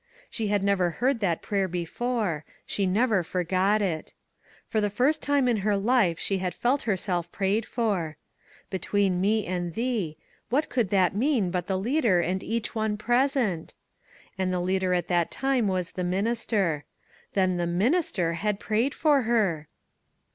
She had never heard that prayer before; she never forgot it. For the first time NEW IDEAS in her life she had felt herself prayed for. " Be tween me and thee," what could that mean but the leader and each one present? And the leader at that time was the minister; then the minister had prayed for her